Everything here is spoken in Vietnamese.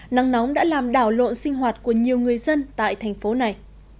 nắng nóng đã làm đảo lộn sinh hoạt của nhiều người dân tại thành phố này